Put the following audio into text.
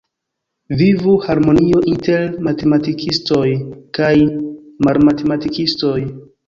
Vivu harmonio inter matematikistoj kaj malmatematikistoj!